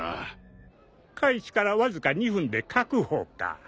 開始からわずか２分で確保か。